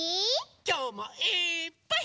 きょうもいっぱい。